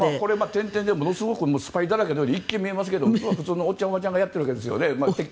点々でものすごくスパイだらけのように一見見えますけど普通のおっちゃん、おばちゃんがやってるわけですね。